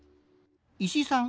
石井さん